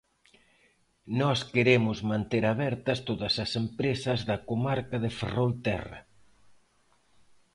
Nós queremos manter abertas todas as empresas da comarca de Ferrolterra.